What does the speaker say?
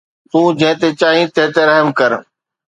تون جنهن تي چاهي تنهن تي رحم ڪر